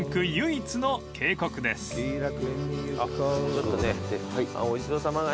ちょっとね。